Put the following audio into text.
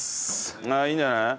ああいいんじゃない？